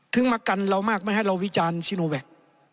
มากันเรามากไม่ให้เราวิจารณ์ชิโนแวค